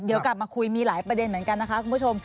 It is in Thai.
เดี๋ยวกลับมาคุยมีหลายประเด็นเหมือนกันนะคะคุณผู้ชม